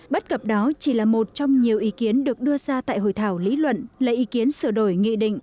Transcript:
bất cập đó chỉ là một trong nhiều ý kiến được đưa ra tại hội thảo lý luận lấy ý kiến sửa đổi nghị định